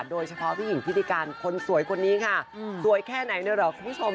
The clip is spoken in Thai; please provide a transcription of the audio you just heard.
โดยเฉพาะผู้หญิงพิธีการคนสวยคนนี้ค่ะสวยแค่ไหนนะครับคุณผู้ชม